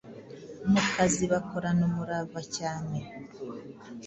mu kazi bakorana umurava cyane,